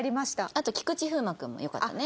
あと菊池風磨君もよかったね。